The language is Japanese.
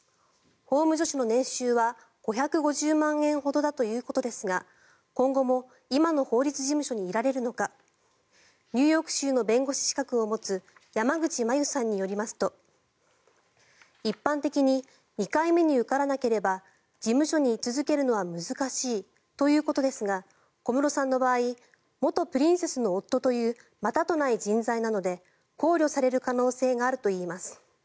法務助手の年収は５５０万円ほどだということですが今後も今の法律事務所にいられるのかニューヨーク州の弁護士資格を持つ山口真由さんによりますと一般的に２回目に受からなければ事務所にい続けるのは難しいということですが小室さんの場合元プリンセスの夫というまたとない人材なので考慮される可能性があるといいます。